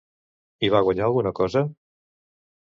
Hi va guanyar alguna cosa?